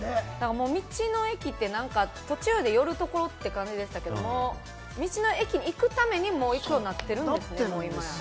道の駅って途中で寄るところって感じでしたけど、道の駅に行くために、行くようになってるんですね、今や。